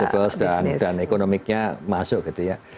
harus feasible dan ekonomiknya masuk gitu ya